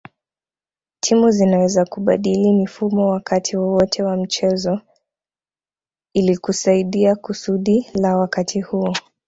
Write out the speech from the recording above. Timu zinaweza kubadili mifumo wakati wowote wa mchezo ilikusaidia kusudi la wakati huo